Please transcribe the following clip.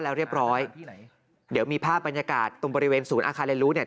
แล้วเรียบร้อยเดี๋ยวมีภาพบรรยากาศตรงบริเวณศูนย์อาคารเรียนรู้เนี่ย